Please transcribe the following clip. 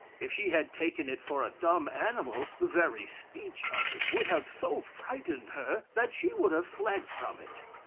If she had taken it for a dumb animal, the very speech of it would have so frightened her, that she would have fled from it.